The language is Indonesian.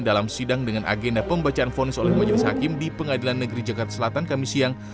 dalam sidang dengan agenda pembacaan fonis oleh majelis hakim di pengadilan negeri jakarta selatan kami siang